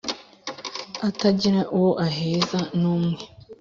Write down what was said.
atagira uwo aheza numwe